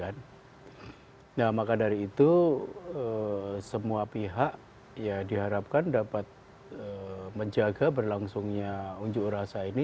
nah maka dari itu semua pihak ya diharapkan dapat menjaga berlangsungnya unjuk rasa ini